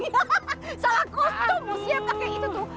salah kostum siap gak kayak itu tuh